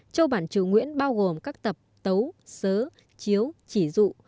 châu bản triều nguyễn bao gồm các tập tấu sớ chiếu chỉ rụ